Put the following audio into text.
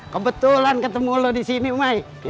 ketarungan ketemu lo disini mai